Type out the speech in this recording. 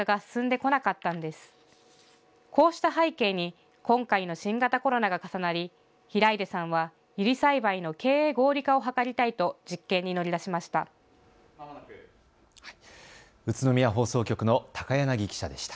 こうした背景に今回の新型コロナが重なり平出さんはユリ栽培の経営合理化を図りたいと実験に乗り出しました。